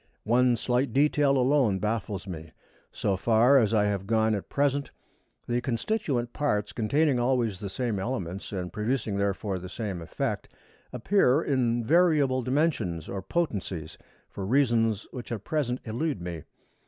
One slight detail alone baffles me. So far as I have gone at present, the constituent parts, containing always the same elements and producing, therefore, the same effect, appear in variable dimensions or potencies, for reasons which at present elude me.